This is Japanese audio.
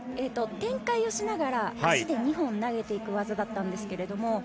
展開をしながら足で２本投げていく技だったんですけれども。